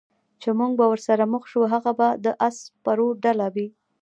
چې موږ به ورسره مخ شو، هغه به د اس سپرو ډله وي.